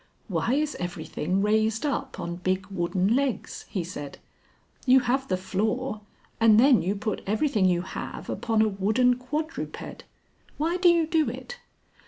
"Why is everything raised up on big wooden legs?" he said. "You have the floor, and then you put everything you have upon a wooden quadruped. Why do you do it?"